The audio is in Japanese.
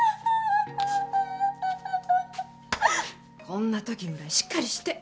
こんなときぐらいしっかりして。